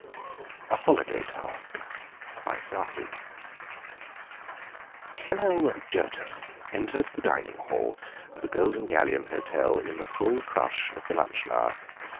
A HOLIDAY TASK Kenelm Jerton entered the dining hall of the Golden Galleon Hotel in the full crush of the luncheon hour.